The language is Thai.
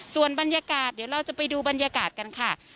ส่วนบรรยากาศเดี๋ยวเราจะไปดูบรรยากาศกันค่ะ